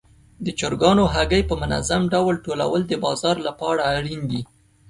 د چرګانو هګۍ په منظم ډول ټولول د بازار لپاره اړین دي.